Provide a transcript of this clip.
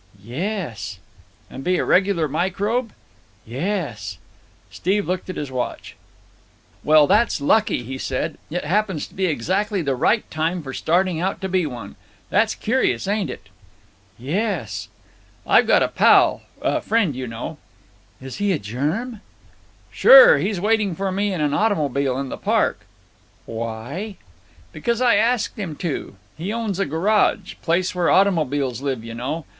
"Yes." "And be a regular microbe?" "Yes." Steve looked at his watch. "Well, that's lucky," he said. "It happens to be exactly the right time for starting out to be one. That's curious, ain't it?" "Yes." "I've got a pal—friend, you know——" "Is he a germ?" "Sure. He's waiting for me now in an automobile in the park——" "Why?" "Because I asked him to. He owns a garage. Place where automobiles live, you know.